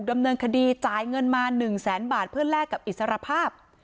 ดำเนินคดีจ่ายเงินมา๑แสนบาทเพื่อแลกกับอิสรภาพ